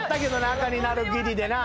赤になるぎりでな。